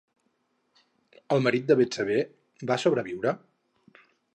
El marit de Betsabé va sobreviure?